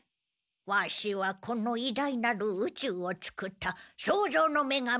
ワシはこの偉大なる宇宙をつくった創造の女神じゃ！